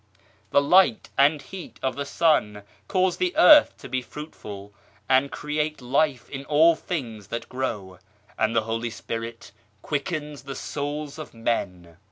The light and heat of the sun cause the earth to be fruitful, and create life in all things that grow ; and the Holy Spirit quickens the souls of men.